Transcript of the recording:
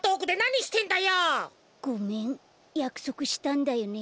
ごめんやくそくしたんだよね。